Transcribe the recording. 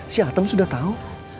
si atom sudah tahu